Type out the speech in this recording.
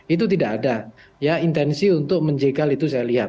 itu tidak ada ya intensi untuk menjegal itu saya lihat